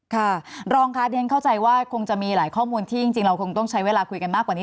ค่ะรองค่ะเรียนเข้าใจว่าคงจะมีหลายข้อมูลที่จริงเราคงต้องใช้เวลาคุยกันมากกว่านี้